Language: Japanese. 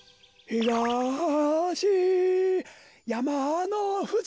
ひがしやまのふじ。